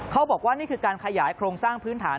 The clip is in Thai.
เขาบอกว่านี่คือการขยายโครงสร้างพื้นฐาน